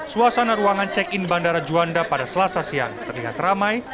suasana ruangan check in bandara juanda pada selasa siang terlihat ramai